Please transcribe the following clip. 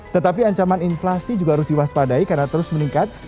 tetapi ancaman inflasi juga harus diwaspadai karena terus meningkat